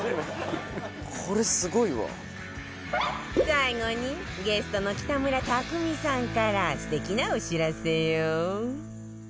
最後にゲストの北村匠海さんから素敵なお知らせよ